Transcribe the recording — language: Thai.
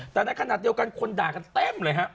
แต่ในขณะเดียวกันคนด่ากันเต็มเลยฮะ